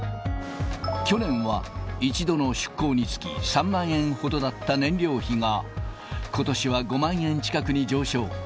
去年は１度の出航につき３万円ほどだった燃料費が、ことしは５万円近くに上昇。